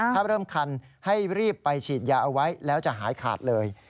ถ้าเริ่มคันให้รีบไปฉีดยาเอาไว้แล้วจะหายขาดเลย